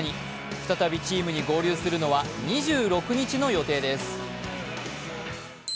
再びチームに合流するのは２６日の予定です。